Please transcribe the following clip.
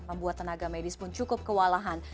membuat tenaga medis pun cukup kewalahan